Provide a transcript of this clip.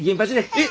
えっ！